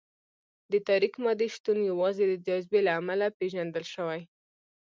د تاریک مادې شتون یوازې د جاذبې له امله پېژندل شوی.